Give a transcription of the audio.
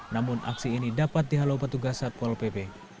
namun aksi ini dapat dihalau petugas satpol pp